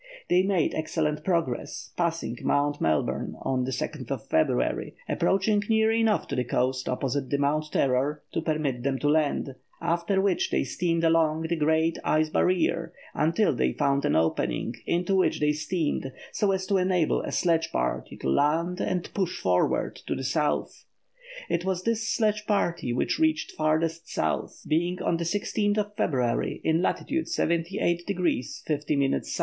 They made excellent progress, passing Mount Melbourne on February 6, approaching near enough to the coast opposite to Mount Terror to permit them to land, after which they steamed along the great ice barrier until they found an opening, into which they steamed, so as to enable a sledge party to land and push forward to the South. It was this sledge party which reached "farthest South," being on February 16 in latitude 78° 50' S.